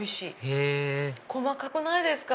へぇ細かくないですか？